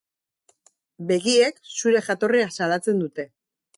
Begiek zure jatorria salatzen dute.